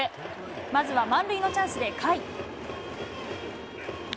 まずは満塁のチャンスで甲斐。